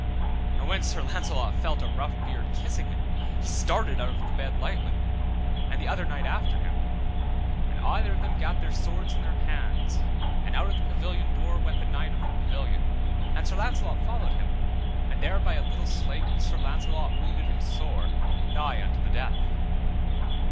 And when Sir Launcelot felt a rough beard kissing him, he started out of the bed lightly, and the other knight after him, and either of them gat their swords in their hands, and out at the pavilion door went the knight of the pavilion, and Sir Launcelot followed him, and there by a little slake Sir Launcelot wounded him sore, nigh unto the death.